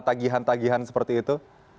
tagihan tagihan seperti itu